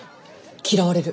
嫌われる。